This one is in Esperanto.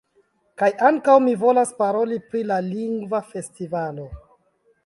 Kaj ankaŭ mi volas paroli pri la lingva festivalo.